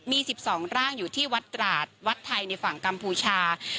มี๑๒ร่างอยู่ที่วัดตราดวัดไทยในฝั่งกัมพูชา